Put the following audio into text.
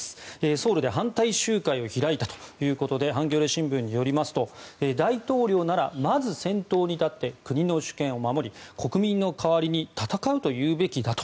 ソウルで反対集会を開いたということでハンギョレ新聞によりますと大統領ならまず先頭に立って国の主権を守り国民の代わりに戦うと言うべきだと。